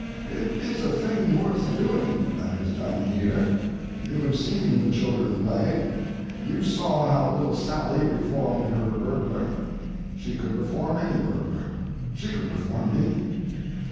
It is a thing worth doing that is done here. You have seen the children play. You saw how little Sally reformed her burglar. She could reform any burglar. She could reform me.